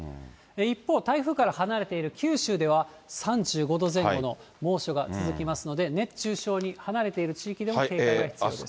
一方、台風から離れている九州では、３５度前後の猛暑が続きますので、熱中症に、離れている地域でも警戒が必要です。